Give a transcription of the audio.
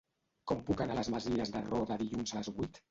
Com puc anar a les Masies de Roda dilluns a les vuit?